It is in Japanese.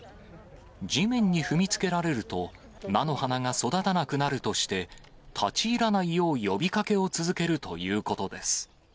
地面に踏みつけられると、菜の花が育たなくなるとして、立ち入らないよう呼びかけを続けるということです。